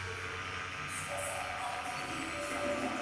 En muchos sentidos, el Sexto es un libro de transición.